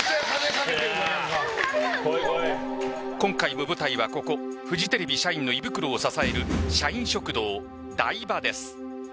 今回も舞台はここフジテレビ社員の胃袋を支える社員食堂、ＤＡＩＢＡです。